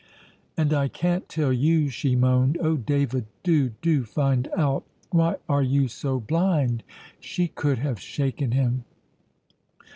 "And I can't tell you," she moaned. "Oh, David, do, do find out. Why are you so blind?" She could have shaken him.